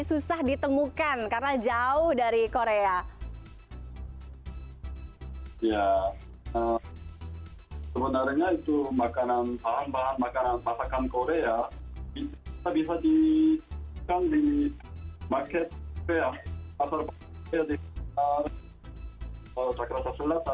susah ditemukan karena jauh dari korea ya sebenarnya itu makanan paham bahwa makanan